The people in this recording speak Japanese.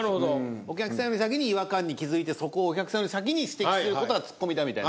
お客さんより先に違和感に気付いてそこをお客さんより先に指摘する事がツッコミだみたいな。